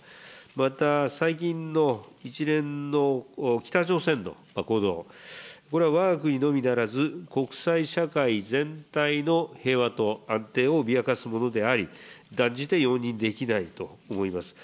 また、最近の一連の北朝鮮の行動、これはわが国のみならず、国際社会全体の平和と安定を脅かすものであり、断じて容認できないと思います。